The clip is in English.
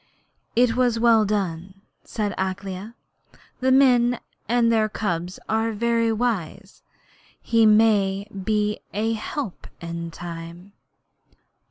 'It was well done,' said Akela. 'Men and their cubs are very wise. He may be a help in time.'